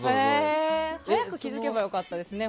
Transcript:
早く気づけば良かったですね。